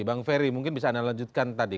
bang ferry mungkin bisa anda lanjutkan tadi